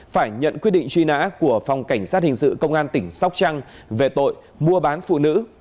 phải nhận quyết định truy nã của phòng cảnh sát hình sự công an tỉnh sóc trăng về tội mua bán phụ nữ